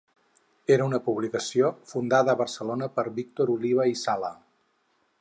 Era una publicació fundada a Barcelona per Víctor Oliva i Sala.